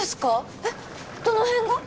えっどの辺が？